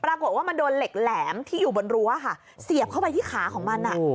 ปรากฏว่ามันโดนเหล็กแหลมที่อยู่บนรั้วค่ะเสียบเข้าไปที่ขาของมัน